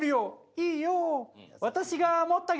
「いいよ」